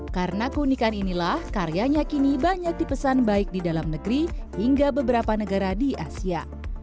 karena keunikan inilah karyanya kini banyak dipesan baik di dalam negeri hingga beberapa negara di asia